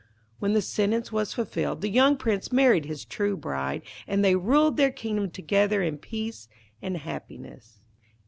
When the sentence was fulfilled, the young Prince married his true bride, and they ruled their kingdom together in peace and happiness.